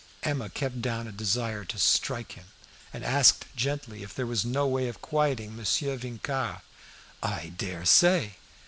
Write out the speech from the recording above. Emma kept down a desire to strike him, and asked gently if there was no way of quieting Monsieur Vincart. "I dare say!